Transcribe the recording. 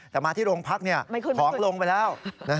แต่มาที่โรงพักของลงไปแล้ว